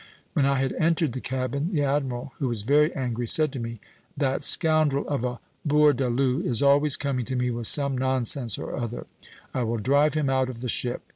When I had entered the cabin, the admiral, who was very angry, said to me, 'That scoundrel of a Bourdaloue is always coming to me with some nonsense or other; I will drive him out of the ship.